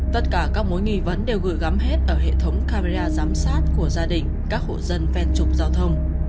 tất cả các mối nghi vấn đều gửi gắm hết ở hệ thống camera giám sát của gia đình các hộ dân ven trục giao thông